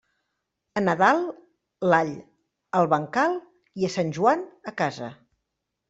A Nadal, l'all, al bancal, i a Sant Joan, a casa.